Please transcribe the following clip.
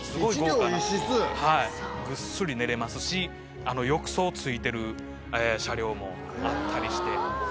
はいぐっすり寝れますし浴槽付いてる車両もあったりして。